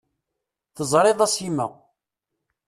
Teẓriḍ a Sima.